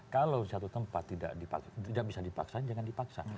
kalau satu tempat tidak bisa dipaksain jangan dipaksa